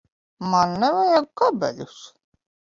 Man nevajag kabeļus.